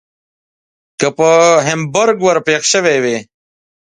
که پر هامبورګ ور پیښ شوي وای.